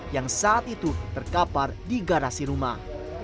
yang saat itu terkapar di garasi rumah